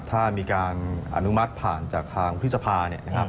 ถ้ามีการอนุมัติผ่านจากทางพฤษภาเนี่ยนะครับ